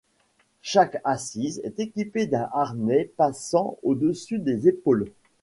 Chaque assise est équipée d'un harnais passant au dessus des épaules.